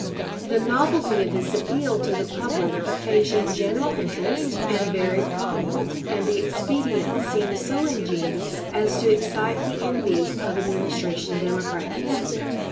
The novelty of this appeal to the public occasioned general interest and varied comment, and the expedient seemed so ingenious as to excite the envy of Administration Democrats.